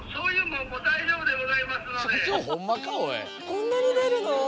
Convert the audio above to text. こんなに出るの！？